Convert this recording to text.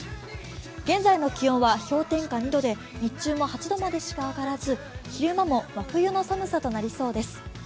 現在の気温は氷点下２度で日中も８度までしか上がらず、昼間も真冬の寒さとなりそうです。